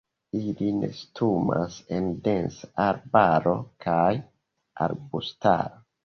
Ili nestumas en densa arbaro kaj arbustaro.